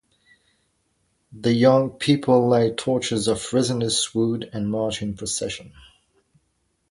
The young people light torches of resinous wood and march in procession.